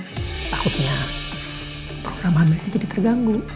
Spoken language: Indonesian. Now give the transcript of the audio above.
takutnya program hamilnya jadi terganggu